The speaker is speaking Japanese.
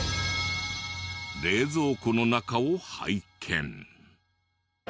冷蔵庫の中を拝見。